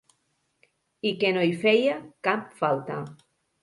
I que no hi feia cap falta.